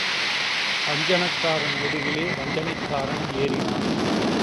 அஞ்சனக்காரன் முதுகிலே வஞ்சனைக்காரன் ஏறினான்.